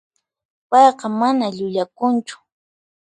Payqa mana llullakunchu.